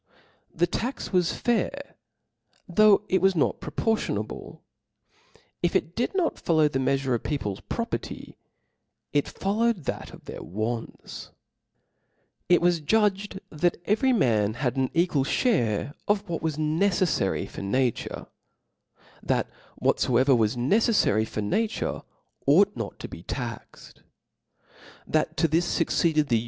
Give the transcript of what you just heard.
The tax was fair, though it was not proportionable : if it did not follow the meafure of people's property, it fol lowed that of their wants. It was judged that every man had an equal (hare of what was necejfary for nature •, that whatlbcver was necejfary for nature^ • Or 60 tnin«, X3 ought 3IO THE SPIRIT Rook ought not be taxf d ; that to this ftjcCeedcd the Chap. 7.